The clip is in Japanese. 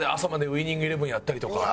ウイニングイレブン』やったりとか。